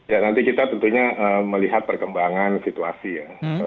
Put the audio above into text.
ya nanti kita tentunya melihat perkembangan situasi ya